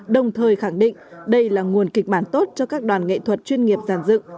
đồng thời khẳng định đây là nguồn kịch bản tốt cho các đoàn nghệ thuật chuyên nghiệp giàn dựng